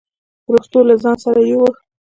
پرښتو له ځان سره يووړ.